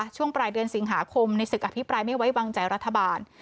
ช่วงปลายเดือนสิงหาคมในศึกอภิปรายไม่ไว้วางใจรัฐบาล